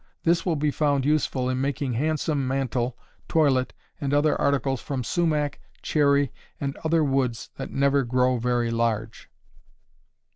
This will be found useful in making handsome mantel, toilet, and other articles from sumac, cherry, and other woods that never grow very large.